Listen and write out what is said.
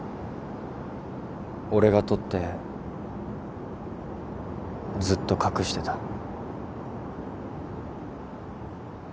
俺がとってずっと隠してた。